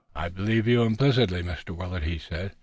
"I believe you implicitly, Mr. Willet," he said.